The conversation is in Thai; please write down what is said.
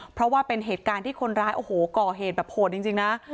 เพราะว่าเป็นเหตุการณ์ที่คนร้ายโอ้โหก่อเหตุแบบโหดจริงนะ